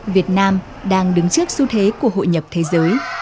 việt nam đang đứng trước xu thế của hội nhập thế giới